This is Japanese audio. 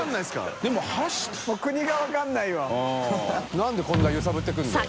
なんでこんな揺さぶってくるんだよ。